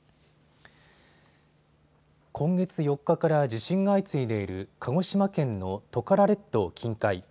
今月４日から地震が相次いでいる鹿児島県のトカラ列島近海。